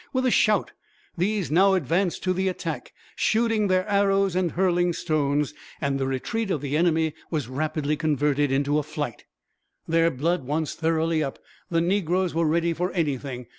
With a shout, these now advanced to the attack, shooting their arrows and hurling stones, and the retreat of the enemy was rapidly converted into a flight. Their blood once thoroughly up, the negroes were ready for anything.